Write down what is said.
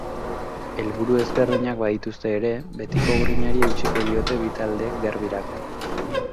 Helburu ezberdinak badituzte ere, betiko grinari eutsiko diote bi taldeek derbirako.